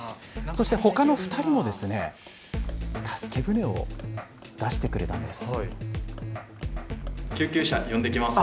そしてほかの２人も助け船を出してくれたんです。